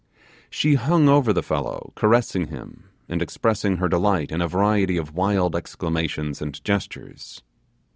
She hung over the fellow, caressing him, and expressing her delight in a variety of wild exclamations and gestures.